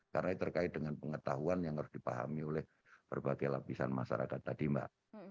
karena ini terkait dengan pengetahuan yang harus dipahami oleh berbagai lapisan masyarakat tadi mbak